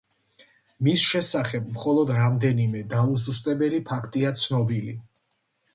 მის შესახებ მხოლოდ რამდენიმე დაუზუსტებელი ფაქტია ცნობილი.